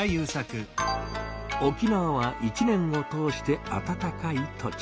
沖縄は一年を通してあたたかい土地。